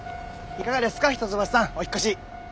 いかがですか一橋さんお引っ越し。